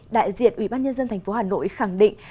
đại diện ủy ban nhân dân thành phố hà nội khẳng định